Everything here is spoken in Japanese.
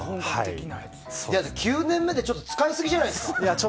９年目で使いすぎじゃないですか？